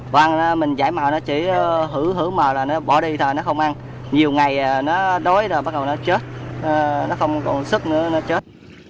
bỏ ăn mình giải màu nó chỉ hử hử màu là nó bỏ đi thôi nó không ăn nhiều ngày nó đói rồi bắt đầu nó chết nó không còn sức nữa nó chết